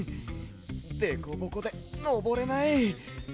デコボコでのぼれない。